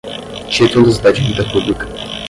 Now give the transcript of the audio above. títulos da dívida pública